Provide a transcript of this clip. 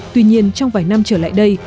tuy nhiên trong vài năm trở lại đây